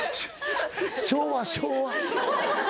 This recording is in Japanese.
昭和昭和。